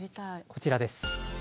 こちらです。